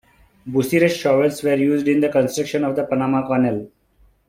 Bucyrus shovels were used in the construction of the Panama Canal.